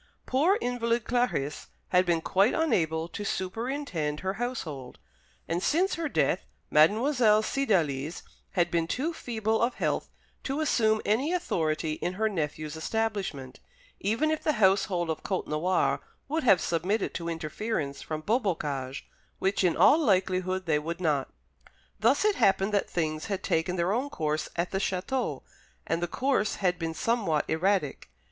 Poor invalid Clarice had been quite unable to superintend her household; and since her death Mademoiselle Cydalise had been too feeble of health to assume any authority in her nephew's establishment, even if the household of Côtenoir would have submitted to interference from Beaubocage, which in all likelihood they would not. Thus it happened that things had taken their own course at the château, and the course had been somewhat erratic.